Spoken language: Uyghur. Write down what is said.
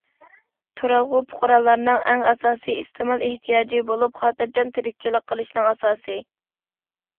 تۇرالغۇ پۇقرالارنىڭ ئەڭ ئاساسىي ئىستېمال ئېھتىياجى بولۇپ، خاتىرجەم تىرىكچىلىك قىلىشنىڭ ئاساسى.